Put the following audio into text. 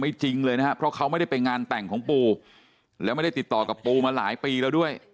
จริงเลยนะครับเพราะเขาไม่ได้ไปงานแต่งของปูแล้วไม่ได้ติดต่อกับปูมาหลายปีแล้วด้วย